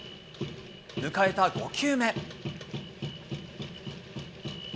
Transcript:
迎えた５球目。